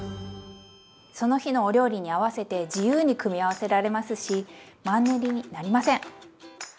その日のお料理に合わせて自由に組み合わせられますしマンネリになりません！